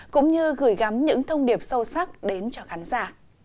cũng như gửi gắm những thông điệp sâu sắc đến cho khán giả